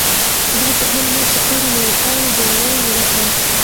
زه به تر بلې میاشتې پورې د ویبپاڼې جوړول زده کړم.